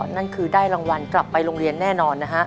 นั่นคือได้รางวัลกลับไปโรงเรียนแน่นอนนะฮะ